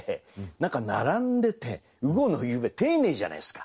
何か並んでて雨後の夕べ丁寧じゃないですか。